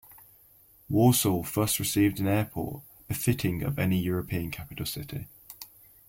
Warsaw thus received an airport befitting of any European capital city.